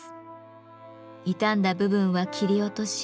傷んだ部分は切り落とし